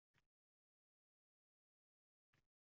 Fikr qilgin avvalo.